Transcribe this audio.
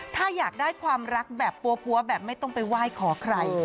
ถ้าอยากได้ความรักแบบปั๊วแบบไม่ต้องไปไหว้ขอใคร